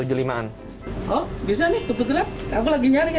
oh bisa nih tepat tepat aku lagi nyari